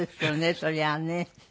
そりゃあね。